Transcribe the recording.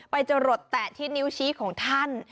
จะหลดแตะที่นิ้วชี้ของท่าน